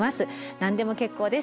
何でも結構です。